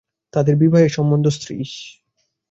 তাঁদের বিবাহের সম্বন্ধ– শ্রীশ।